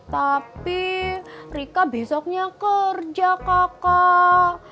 tapi rika besoknya kerja kakak